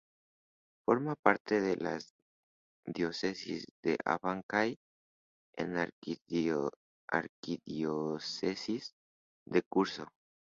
Forma parte de la diócesis de Abancay, en la arquidiócesis de Cusco.